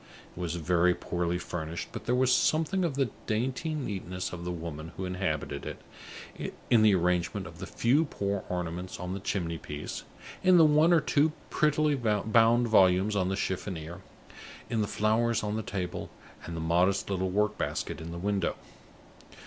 It was very poorly furnished; but there was something of the dainty neatness of the woman who inhabited it in the arrangement of the few poor ornaments on the chimney piece, in the one or two prettily bound volumes on the chiffonier, in the flowers on the table, and the modest little work basket in the window.